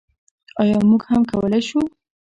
او موږ هم کولی شو.